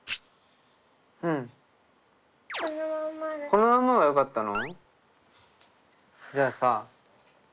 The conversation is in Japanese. このまんまがよかったの？